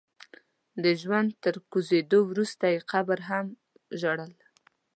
د ژوند تر کوزېدو وروسته يې قبر هم ژړل.